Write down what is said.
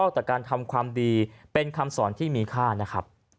แต่การทำความดีเป็นคำสอนที่มีค่านะครับ